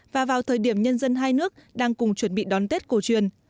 và vào thời điểm nhân dân hai nước đang cùng chuẩn bị đón tết cổ truyền